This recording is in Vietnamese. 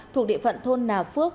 thuộc địa phận thôn nà phước